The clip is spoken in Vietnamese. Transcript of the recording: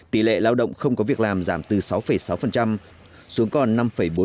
tỷ lệ lao động không có việc làm giảm từ sáu sáu xuống còn năm bốn